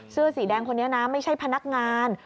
เสื้อสีแดงคนนี้นะไม่ใช่พนักงาน